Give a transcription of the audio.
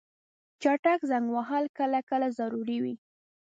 چټک زنګ وهل کله کله ضروري وي.